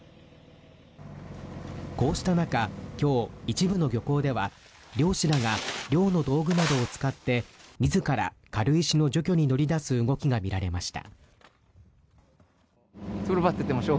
こうした中、今日、一部の漁港では漁師らが漁の道具などを使って自ら軽石の除去に乗り出す動きがみられました。